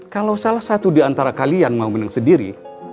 kalau salah satu diantara kalian mau menang sendiri